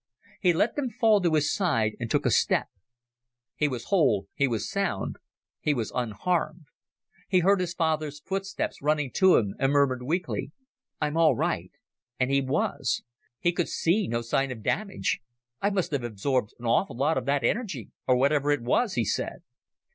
He let them fall to his side and took a step. He was whole, he was sound, he was unharmed. He heard his father's footsteps running to him, and murmured weakly, "I'm all right." And he was. He could see no sign of damage. "I must have absorbed an awful lot of that energy or whatever it was," he said.